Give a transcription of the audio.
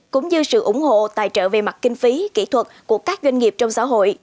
cũng như sự ủng hộ tài trợ về mặt kinh phí kỹ thuật của các doanh nghiệp trong xã hội